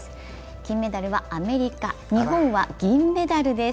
金メダルはアメリカ、日本は銀メダルです。